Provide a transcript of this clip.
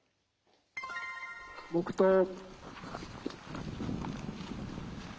黙とう。